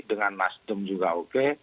dengan mas dung juga oke